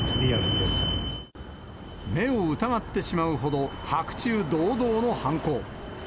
目を疑ってしまうほど、白昼堂々の犯行。